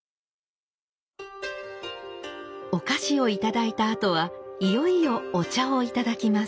お菓子を頂いたあとはいよいよお茶を頂きます。